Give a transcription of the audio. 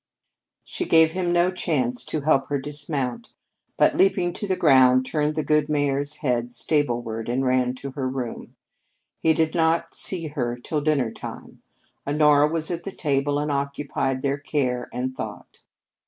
She gave him no chance to help her dismount, but leaping to the ground, turned the good mare's head stableward, and ran to her room. He did not see her till dinner time. Honora was at the table, and occupied their care and thought.